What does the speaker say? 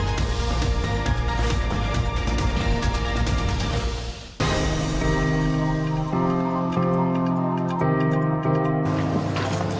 อันดับอันดับสองพิกัดที่กัด